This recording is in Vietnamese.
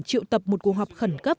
triệu tập một cuộc họp khẩn cấp